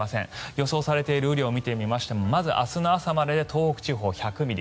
予想されている雨量を見てみましてもまず明日の朝までで東北地方１００ミリ